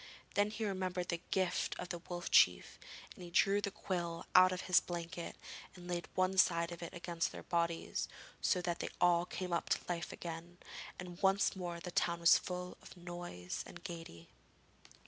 Then he remembered the gift of the Wolf Chief, and he drew the quill out of his blanket and laid one side of it against their bodies, so that they all came to life again, and once more the town was full of noise and gaiety.